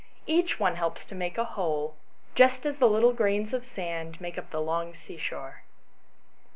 Each one helps to make a whole, just as the little grains of sand make up the long sea shore."